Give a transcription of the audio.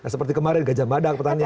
seperti kemarin gajah mada ke pertanian